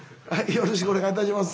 よろしくお願いします。